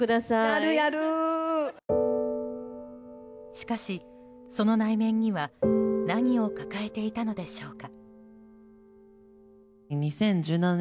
しかし、その内面には何を抱えていたのでしょうか。